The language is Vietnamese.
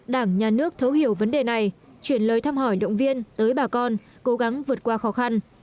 đảng nhà nước thấu hiểu vấn đề này chuyển lời thăm hỏi động viên tới bà con cố gắng vượt qua khó khăn